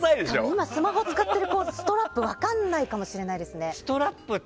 今、スマホを使っている子ストラップって分からないかもしれないですね。